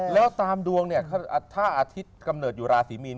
แล้วตามดวงเนี่ยถ้าอาทิตย์กำเนิดอยู่ราศีมีน